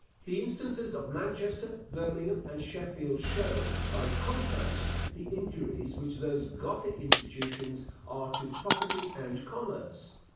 The instances of Manchester, Birmingham, and Sheffield show, by contrast, the injuries which those Gothic institutions are to property and commerce.